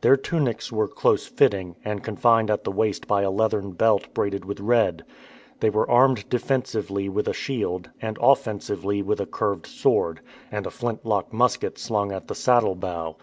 Their tunics were close fitting, and confined at the waist by a leathern belt braided with red. They were armed defensively with a shield, and offensively with a curved sword, and a flintlock musket slung at the saddle bow.